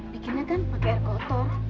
bikinnya kan pakai air kotor